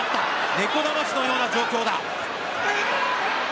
猫だましのような状況だ。